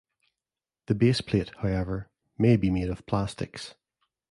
The base plate, however, may be made of plastics.